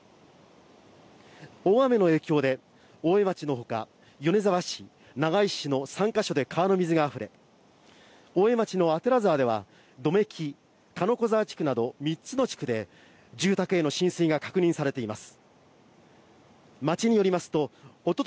大雨の影響で大江町の他、米沢市、長井市の３か所で川の水が溢れ、大江町の左沢では百目木、鹿子沢地区など３つの地区で住宅への浸水が確認されています。